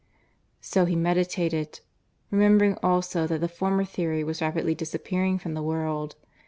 So he meditated, remembering also that the former theory was rapidly disappearing from the world.